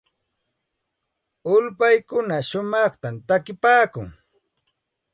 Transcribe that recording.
Ulpaykuna shumaqta takipaakun.